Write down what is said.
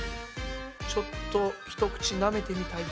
ちょっと一口なめてみたい。